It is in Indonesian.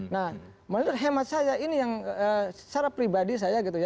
nah menurut hemat saya ini yang secara pribadi saya gitu ya